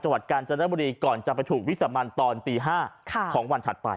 จังหวัดการณ์ปรีก่อนจะไปถูกวิสระมันตอนตีห้าค่ะของวันถัดไป